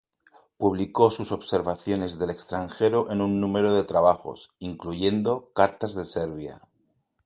Publicó sus observaciones del extranjero en un número de trabajos, incluyendo "Cartas de Serbia".